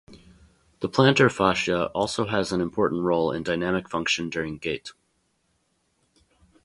The plantar fascia also has an important role in dynamic function during gait.